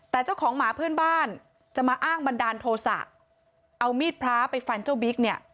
แต่เจ้าของหมาเพื่อนบ้านจะมาอ้างบันดาลโทษะเอามีดพระไปฟันเจ้าบิ๊กเนี่ย